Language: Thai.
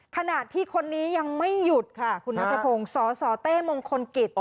ขณะที่คนนี้ยังไม่หยุดค่ะคุณนัทพงศ์สสเต้มงคลกิจ